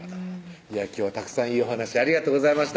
今日はたくさんいいお話ありがとうございました